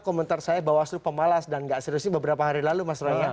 komentar saya bawaslu pemalas dan gak serius ini beberapa hari lalu mas roy